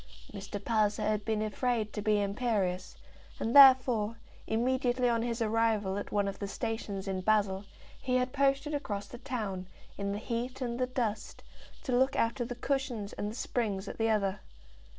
Mr. Palliser had been afraid to be imperious, and therefore, immediately on his arrival at one of the stations in Basle, he had posted across the town, in the heat and the dust, to look after the cushions and the springs at the other.